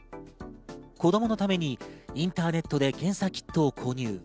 子供のためにインターネットで検査キットを購入。